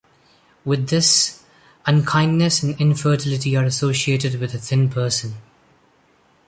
With this, unkindness and infertility are associated with a thin person.